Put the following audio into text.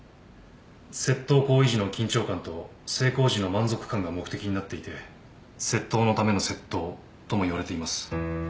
窃盗行為時の緊張感と成功時の満足感が目的になっていて窃盗のための窃盗ともいわれています。